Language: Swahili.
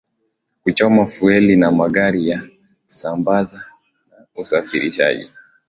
kuchoma fueli na magari ya kusambaza na usafirishaji